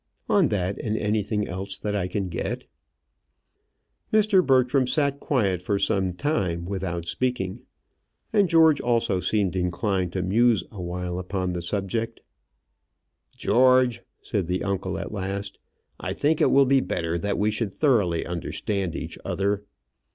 "On that and anything else that I can get." Mr. Bertram sat quiet for some time without speaking, and George also seemed inclined to muse awhile upon the subject. "George," said the uncle, at last, "I think it will be better that we should thoroughly understand each other.